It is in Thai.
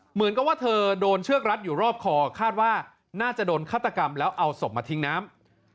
เหมือนกับว่าเธอโดนเชือกรัดอยู่รอบคอคาดว่าน่าจะโดนฆาตกรรมแล้วเอาศพมาทิ้งน้ำ